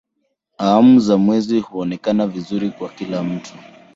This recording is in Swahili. Awamu za mwezi huonekana vizuri kwa kila mtu.